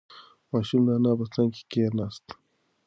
ماشوم د انا په څنگ کې کېناست.